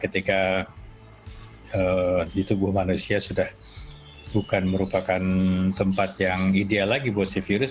ketika di tubuh manusia sudah bukan merupakan tempat yang ideal lagi buat si virus